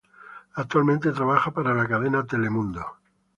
Actualmente trabaja para la cadena Telemundo.